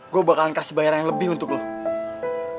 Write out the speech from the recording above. gue bakal kasih bayaran yang lebih untuk lo